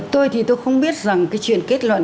tôi thì tôi không biết rằng cái chuyện kết luận